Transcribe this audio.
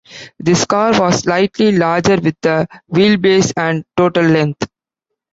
This car was slightly larger with a wheelbase and total length.